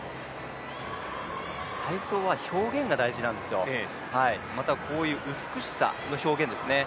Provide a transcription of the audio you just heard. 体操は表現が大事なんですよ、またこういう美しさの表現ですね。